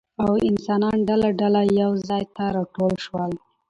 او انسانان ډله ډله يو ځاى ته راټول شول